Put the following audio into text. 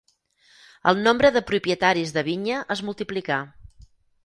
El nombre de propietaris de vinya es multiplicà.